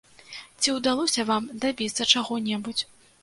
Ці ўдалося вам дабіцца чаго-небудзь?